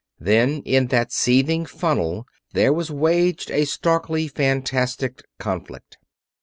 Then in that seething funnel there was waged a starkly fantastic conflict.